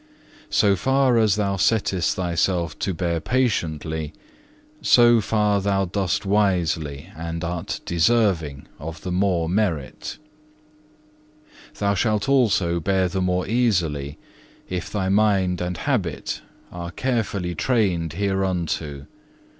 2. "So far as thou settest thyself to bear patiently, so far thou dost wisely and art deserving of the more merit; thou shalt also bear the more easily if thy mind and habit are carefully trained hereunto.